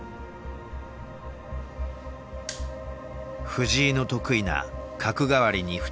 藤井の得意な角換わりに再び挑んだ。